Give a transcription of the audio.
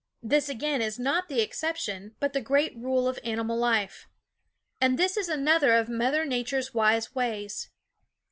This again is not the exception, but the great rule of animal life. And this is another of Mother Nature's wise ways.